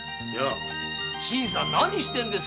新さん何してんです